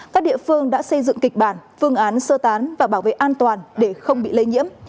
các địa phương đã xây dựng kịch bản phương án sơ tán và bảo vệ an toàn để không bị lây nhiễm